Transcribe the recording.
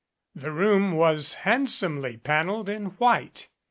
The room was handsomely paneled in white.